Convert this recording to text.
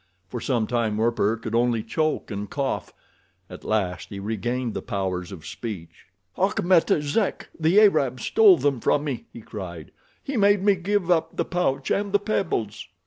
For some time Werper could only choke and cough—at last he regained the powers of speech. "Achmet Zek, the Arab, stole them from me," he cried; "he made me give up the pouch and the pebbles."